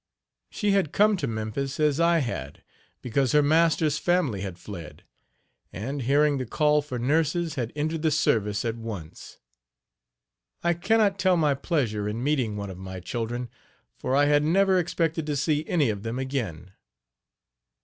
She had come to Memphis as I had, because her master's family had fled; and, hearing the call for nurses, had entered the service at once. I can not tell my pleasure in meeting one of my children, for I had never expected to see any of them again.